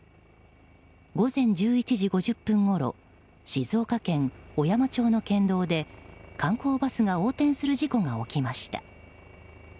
午前１１時５０分ごろ静岡県小山町の県道で観光バスが横転する事故が起きました。